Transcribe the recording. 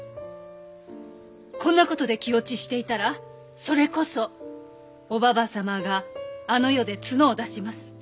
こんなことで気落ちしていたらそれこそおばば様があの世で角を出します。